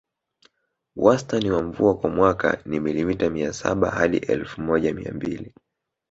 Wastani wa mvua kwa mwaka ni milimita mia saba hadi elfu moja mia mbili